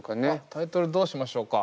タイトルどうしましょうか。